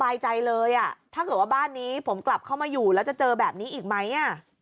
ถ้าเห็นว่าบ้านนี้ผมกลับเข้ามาอยู่แล้วเจอแบบนี้อีกมั้ย